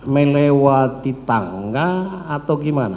melewati tangga atau gimana